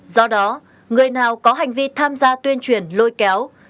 do đó người nào có hành vi tham gia tuyên truyền lôi kéo